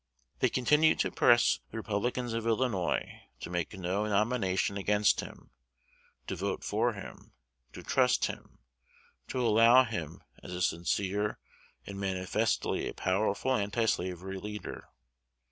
They continued to press the Republicans of Illinois to make no nomination against him, to vote for him, to trust him, to follow him, as a sincere and manifestly a powerful antislavery leader.